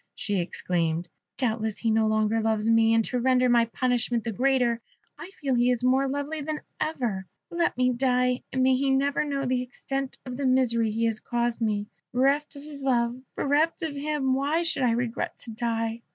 she exclaimed. "Doubtless he no longer loves me. And to render my punishment the greater, I feel he is more lovely than ever. Let me die; and may he never know the extent of the misery he has caused me. Bereft of his love bereft of him why should I regret to die?"